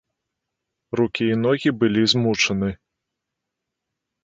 Рукі і ногі былі змучаны.